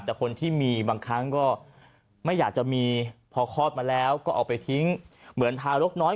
แต่คนที่มีบางครั้งก็ไม่อยากจะมีพอคลอดมาแล้วก็เอาไปทิ้งเหมือนทารกน้อย